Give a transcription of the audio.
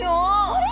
あれ？